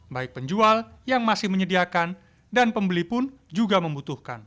baik penjual yang masih menyediakan dan pembeli pun juga membutuhkan